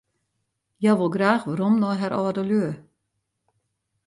Hja wol graach werom nei har âldelju.